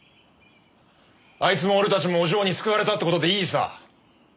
あいつも俺たちもお嬢に救われたって事でいいさ。